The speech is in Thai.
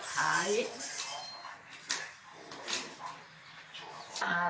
แค่ถ่าย